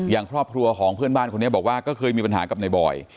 อย่างครอบครัวของเพื่อนบ้านคนนี้บอกว่าก็เคยมีปัญหากับนายบอย